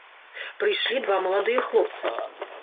Прыйшлі два маладыя хлопцы.